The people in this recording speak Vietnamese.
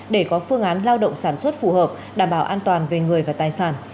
để có phương án lao động sản xuất phù hợp đảm bảo an toàn về người và tài sản